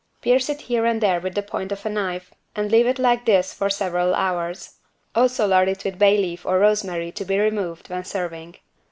Pierce it here and there with the point of a knife and leave it like this for several hours. Also lard it with bay leaf or rosemary to be removed when serving.